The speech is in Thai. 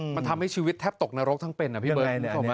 มันทำให้ชีวิตแทบตกนรกทั้งเป็นนะพี่เบิร์ด